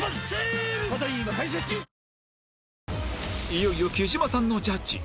いよいよ貴島さんのジャッジ